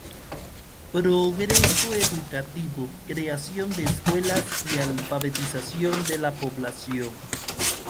Progreso educativo: creación de escuelas y alfabetización de la población.